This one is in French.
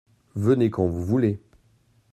Venez quand vous voulez.